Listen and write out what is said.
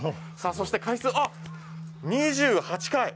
そして回数、２８回。